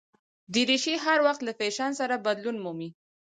دریشي هر وخت له فېشن سره بدلون مومي.